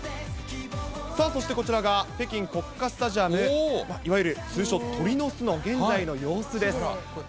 そして、こちらが北京国家スタジアム、いわゆる、通称、鳥の巣の現在の様子です。